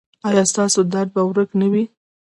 ایا ستاسو درد به ورک نه وي؟